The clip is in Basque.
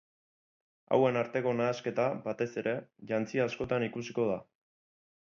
Hauen arteko nahasketa, batez ere, jantzi askotan ikusiko da.